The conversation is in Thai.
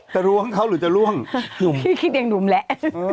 รั้วของเขาหรือจะล่วงพี่คิดอย่างหนุ่มแหละ